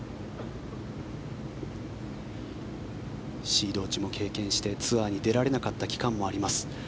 シード落ちも経験してツアーに出られなかった期間もあります。